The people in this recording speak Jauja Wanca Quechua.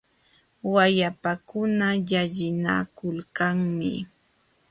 Wayapakuna llallinakulkanmi.